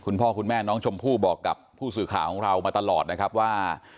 คุณพ่อคุณแม่น้องชมพู่บอกกับผู้สื่อข่าวของเรามาตลอดนะครับว่า